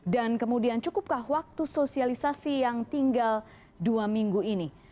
dan kemudian cukupkah waktu sosialisasi yang tinggal dua minggu ini